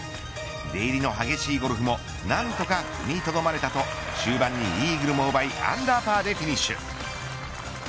出入りの激しいゴルフも何とか踏みとどまれたと終盤にイーグルも奪いアンダーパーでフィニッシュ。